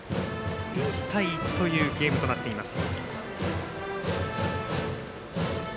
１対１というゲームとなっています。